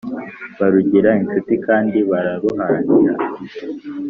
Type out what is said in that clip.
barugira incuti kandi bararuharanira,